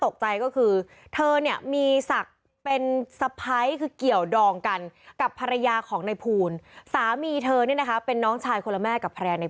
แกก็เลยปล่อยมือตรงนี้